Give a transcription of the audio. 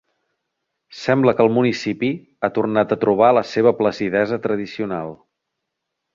Sembla que el municipi ha tornat a trobar la seva placidesa tradicional.